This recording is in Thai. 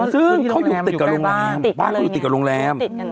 ซึ่งเขาอยู่ติดกับโรงแรมบ้านเขาอยู่ติดกับโรงแรม